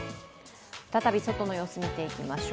再びの外の様子を見ていきましょう。